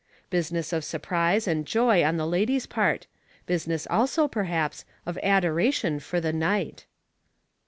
Business of surprise and joy on the lady's part business also, perhaps, of adoration for the knight.